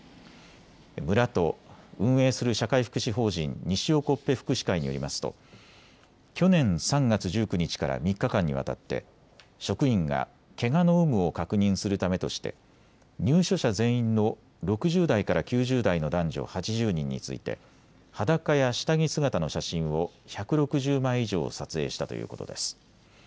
村と運営する社会福祉法人にしおこっぺ福祉会によりますと去年３月１９日から３日間にわたって職員がけがの有無を確認するためとして入所者全員の６０代から９０代の男女８０人について裸や下着姿の写真を１６０枚以上撮影したということです。